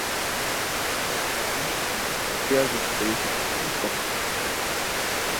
La ópera cuenta con melodías de una belleza pura y conmovedora.